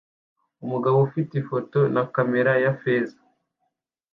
Umugabo ufata ifoto na kamera ya feza